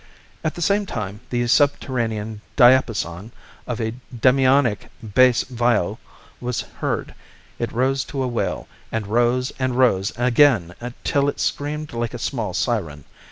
At the same time the subterranean diapason of a demoniac bass viol was heard; it rose to a wail, and rose and rose again till it screamed like a small siren.